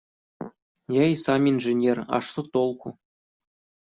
Я и сам инженер, а что толку?